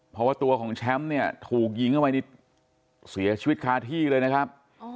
เพราะว่าตัวของแชมป์เนี่ยถูกยิงเข้าไปนี่เสียชีวิตคาที่เลยนะครับ